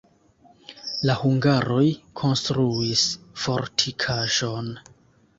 La hungaroj konstruis fortikaĵon.